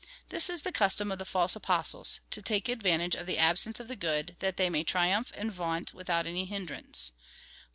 This is the cus tom of the false apostles — to take advantage of the absence of the good, that they may triumph and vaunt without any hindrance.